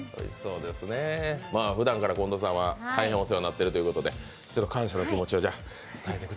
ふだんから、近藤さんは大変お世話になってるということで感謝の気持ちを。